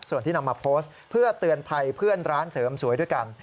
ส่วนที่นำมาโพสต์เพื่อเตือนภัยเพื่อนร้านเสริมสวยด้วยกัน